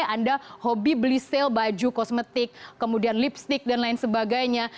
anda hobi beli sale baju kosmetik kemudian lipstick dan lain sebagainya